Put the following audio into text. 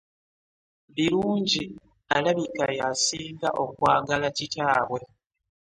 Birungi alabika y'asinga okwagala kitaabwe.